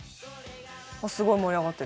すごい盛り上がってる。